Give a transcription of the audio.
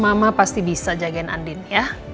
mama pasti bisa jagain andin ya